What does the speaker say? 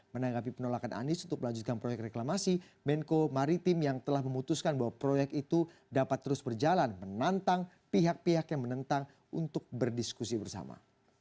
menanggapi penolakan anies untuk melanjutkan proyek reklamasi menko maritim yang telah memutuskan bahwa proyek itu dapat terus berjalan menantang pihak pihak yang menentang untuk berdiskusi bersama